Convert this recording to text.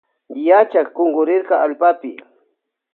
Yachak kunkurirka allpapi.